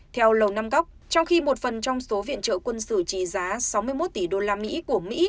theo lầu năm góc trong khi một phần trong số viện trợ quân sự trí giá sáu mươi một tỷ usd của mỹ